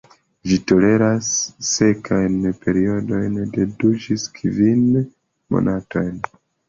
Ĝi toleras sekajn periodojn de du ĝis kvin monatojn.